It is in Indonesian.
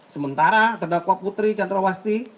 sementara terdakwa putri chandrawati